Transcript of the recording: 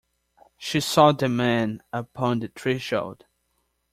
She saw the men upon the threshold.